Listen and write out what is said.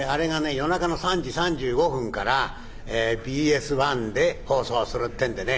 夜中の３時３５分からＢＳ１で放送するってんでね